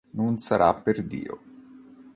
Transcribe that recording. Non sarà per Dio!